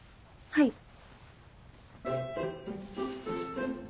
はい。